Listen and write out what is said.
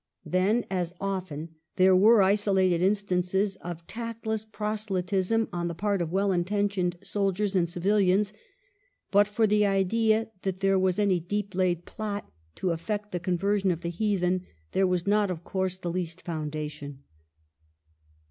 Then, as often, there were isolated instances of tact less proselytism on the part of well intentioned soldiers and civilians, but for the idea that there was any deep laid plot to effect the conversion of the ''heathen" there was not, of course, the least foundation.